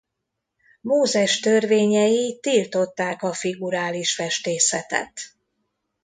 Mózes törvényei tiltották a figurális festészetet.